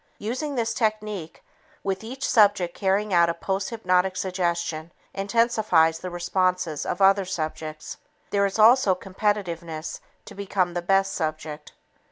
Using this technique, with each subject carrying out a posthypnotic suggestion, intensifies the responses of other subjects. There is also competitiveness to become the best subject.